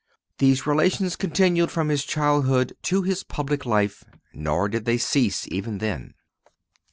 These relations continued from His childhood to His public life, nor did they cease even then.